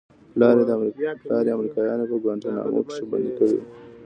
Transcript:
پلار يې امريکايانو په گوانټانامو کښې بندي کړى و.